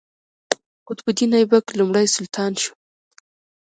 قطب الدین ایبک لومړی سلطان شو.